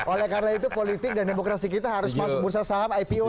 oleh karena itu politik dan demokrasi kita harus masuk bursa saham ipo